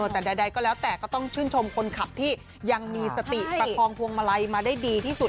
แต่ใดก็แล้วแต่ก็ต้องชื่นชมคนขับที่ยังมีสติประคองพวงมาลัยมาได้ดีที่สุด